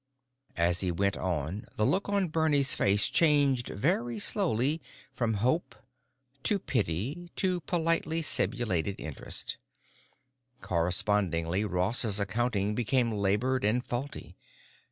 As he went on the look on Bernie's face changed very slowly from hope to pity to politely simulated interest. Correspondingly Ross's accounting became labored and faulty.